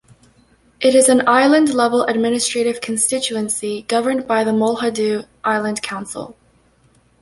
It is an island-level administrative constituency governed by the Molhadhoo Island Council.